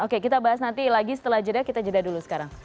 oke kita bahas nanti lagi setelah jeda kita jeda dulu sekarang